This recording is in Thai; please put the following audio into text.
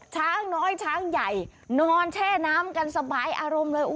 ช้างน้อยช้างใหญ่นอนแช่น้ำกันสบายอารมณ์เลย